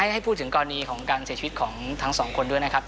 ให้พูดถึงกรณีของการเสียชีวิตของทั้งสองคนด้วยนะครับ